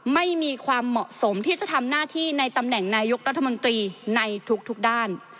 ไม่มีความเหมาะสมที่จะทำหน้าที่ในตำแหน่งนายกรัฐมนตรีในทุกด้าน